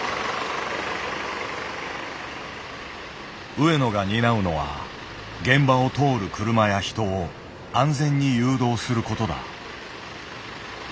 上野が担うのは現場を通る車や人を安全に誘導することだ。